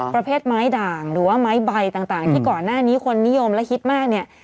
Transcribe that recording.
ประเภทไม้ด่างหรือว่าไม้ใบต่างที่ก่อนหน้านี้คนนิยมและฮิตมากเนี่ย